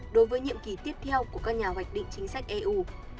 đối với nhiệm kỳ tiếp theo của các nhà hoạch định chính sách eu